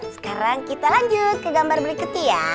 sekarang kita lanjut ke gambar berikutnya ya